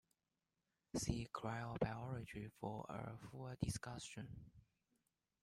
See cryobiology for a full discussion.